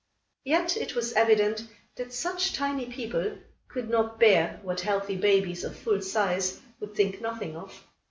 Yet it was evident that such tiny people could not bear what healthy babies of full size would think nothing of.